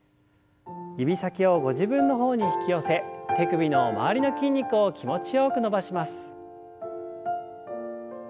指先をご自分の方に引き寄せ手首の周りの筋肉を気持ちよく伸ばします。